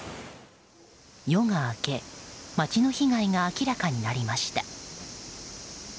夜が明け街の被害が明らかになりました。